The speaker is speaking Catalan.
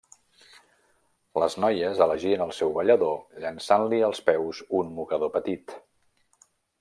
Les noies elegien el seu ballador llançant-li als peus un mocador petit.